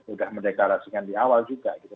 udah mendeklarasikan di awal juga gitu